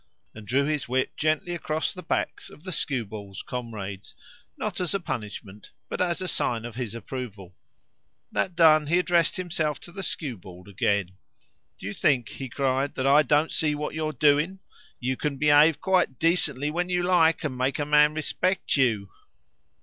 and drew his whip gently across the backs of the skewbald's comrades not as a punishment, but as a sign of his approval. That done, he addressed himself to the skewbald again. "Do you think," he cried, "that I don't see what you are doing? You can behave quite decently when you like, and make a man respect you."